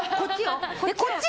こっち？